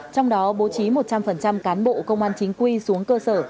trong đó bố trí một trăm linh cán bộ công an chính quy xuống cơ sở